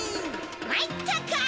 まいったか！